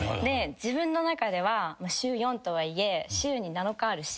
自分の中では週４とはいえ。